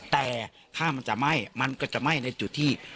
แต่ค่ามันจะไหม้มันก็จะไหม้ในจุดที่